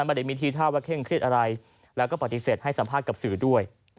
ไม่ได้มีทีท่าว่าเคร่งเครียดอะไรแล้วก็ปฏิเสธให้สัมภาษณ์กับสื่อด้วย